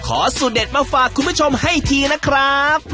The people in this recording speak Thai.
สูตรเด็ดมาฝากคุณผู้ชมให้ทีนะครับ